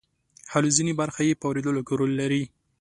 حلزوني برخه یې په اوریدلو کې رول لري.